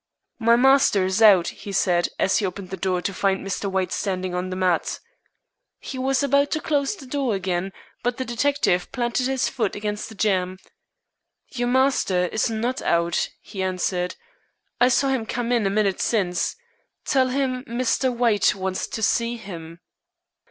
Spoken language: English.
"My master is out," he said, as he opened the door to find Mr. White standing on the mat. He was about to close the door again, but the detective planted his foot against the jamb. "Your master is not out," he answered. "I saw him come in a minute since. Tell him Mr. White wants to see him."